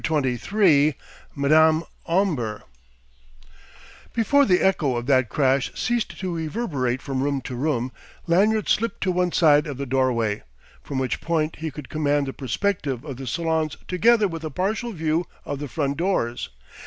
XXIII MADAME OMBER Before the echo of that crash ceased to reverberate from room to room, Lanyard slipped to one side of the doorway, from which point he could command the perspective of the salons together with a partial view of the front doors.